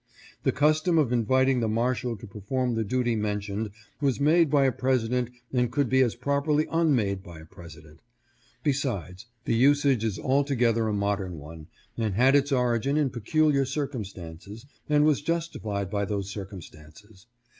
The custom of inviting the Marshal to perform the duty mentioned was made by a President and could be as properly unmade by a President. Besides, the usage is altogether a modern one and had its origin in peculiar circumstances and was justi fied by those circumstances.